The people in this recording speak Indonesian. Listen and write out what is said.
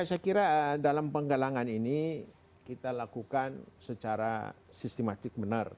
ya saya kira dalam penggalangan ini kita lakukan secara sistematik benar